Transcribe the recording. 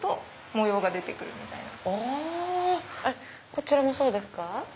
こちらもそうですか？